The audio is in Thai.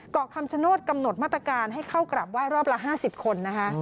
เกาะคำชโนธกำหนดมาตรการให้เข้ากราบไห้รอบละ๕๐คนนะคะ